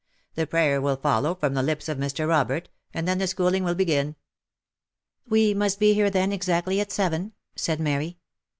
The prayer will follow from the lips of Mr. Robert, and then the schooling will begin." " We must be here, then, exactly at seven V* said Mary.